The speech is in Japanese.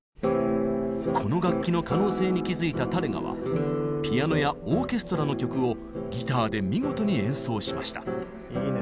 この楽器の可能性に気づいたタレガはピアノやオーケストラの曲をギターで見事に演奏しました。